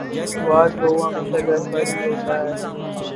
اتوار کو وہ ہمیشہ گھر پر ہی ہوتا ہے۔